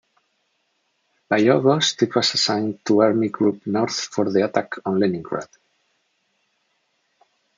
By August, it was assigned to Army Group North for the attack on Leningrad.